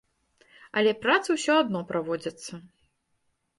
Але працы ўсё адно праводзяцца.